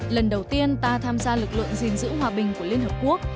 lần đầu tiên ta tham gia lực lượng gìn giữ hòa bình của liên hợp quốc